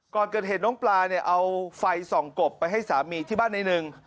ก่อนเกิดเหตุน้องปลาเนี่ยเอาไฟส่องกบไปให้สามีที่บ้านในหนึ่ง